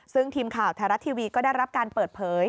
ซึ่งทีมข่าวไทยรัฐทีวีก็ได้รับการเปิดเผย